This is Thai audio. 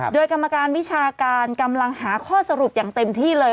โดยกรรมการวิชาการกำลังหาข้อสรุปอย่างเต็มที่เลย